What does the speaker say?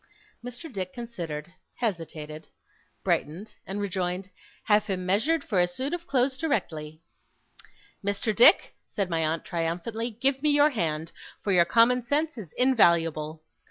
Mr. Dick considered, hesitated, brightened, and rejoined, 'Have him measured for a suit of clothes directly.' 'Mr. Dick,' said my aunt triumphantly, 'give me your hand, for your common sense is invaluable.